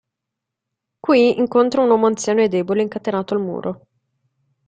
Qui incontra un uomo anziano e debole incatenato al muro.